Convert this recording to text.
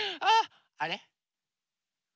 あれ？